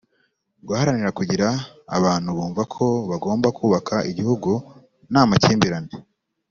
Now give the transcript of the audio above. guharanira kugira abantu bumva ko bagomba kubaka igihugu nta makimbirane